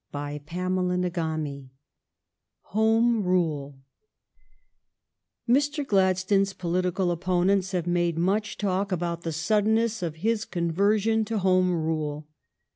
CHAPTER XXX HOME RULE Mr. Gladstone's political opponents have made much talk about the suddenness of his conversion to Home Rule.